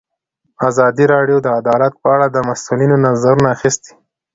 ازادي راډیو د عدالت په اړه د مسؤلینو نظرونه اخیستي.